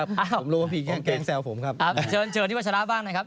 ผมรู้ว่าพี่แกล้งแซวผมครับ